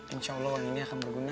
insya allah ini akan berguna